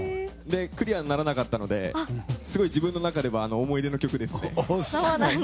クリアにならなかったので自分の中では思い出の曲ですね。